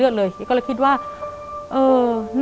แต่ขอให้เรียนจบปริญญาตรีก่อน